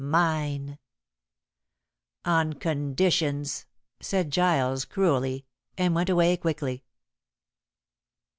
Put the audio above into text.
mine!" "On conditions," said Giles cruelly, and went away quickly.